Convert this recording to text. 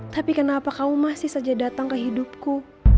tapi kenapa kau masih saja datang ke hidupku